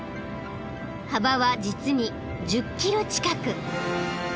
［幅は実に１０ｋｍ近く］